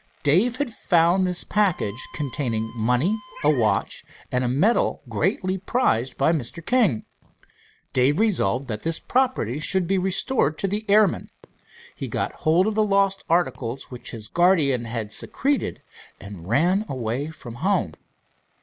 Dave had found this package, containing money, a watch and a medal greatly prized by Mr. King. Dave resolved that this property should be restored to the airman. He got hold of the lost articles, which his guardian had secreted, and ran away from home.